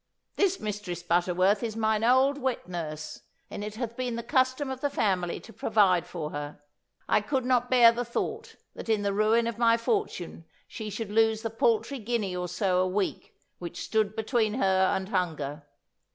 This Mistress Butterworth is mine old wet nurse, and it hath been the custom of the family to provide for her. I could not bear the thought that in the ruin of my fortune she should lose the paltry guinea or so a week which stood between her and hunger.